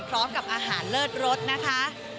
พร้อมกับอาหารเลิศรสนะคะ